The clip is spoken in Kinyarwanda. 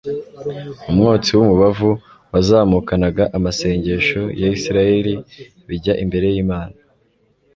Umwotsi w'umubavu wazamukanaga amasengesho ya Isirayeli, bijya imbere y'Imana.